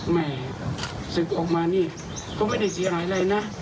แม่ศึกออกมานี่ก็ไม่ได้เสียหายอะไรนะ